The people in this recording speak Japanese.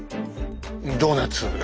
ドーナツ。